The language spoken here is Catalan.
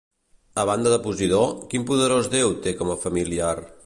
A banda de Posidó, quin poderós déu té com a familiar?